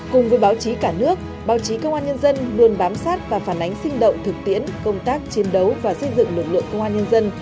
cùng với báo chí cả nước báo chí công an nhân dân luôn bám sát và phản ánh sinh động thực tiễn công tác chiến đấu và xây dựng lực lượng công an nhân dân